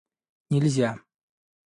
нельзя